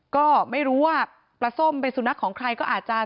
ก็ไม่รู้ว่าปลาส้มเป็นสุนัขของใครก็อาจจะ